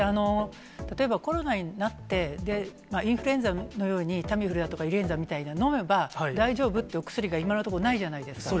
例えばコロナになって、インフルエンザのように、タミフルだとかリレンザみたいなのを飲めば大丈夫っていうお薬が今のところないじゃないですか。